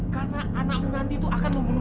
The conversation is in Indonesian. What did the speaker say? karena anakmu nanti tuh akan menangis